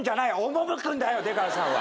赴くんだよ出川さんは！